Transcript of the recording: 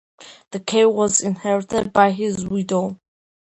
The cave was inherited by his widow.